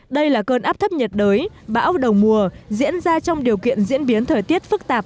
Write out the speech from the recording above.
đây là cơn áp thấp nhiệt đới bão đầu mùa diễn ra trong điều kiện diễn biến thời tiết phức tạp